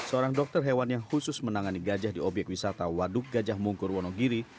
seorang dokter hewan yang khusus menangani gajah di obyek wisata waduk gajah mungkur wonogiri